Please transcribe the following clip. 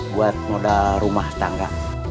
buat moda rumah tangga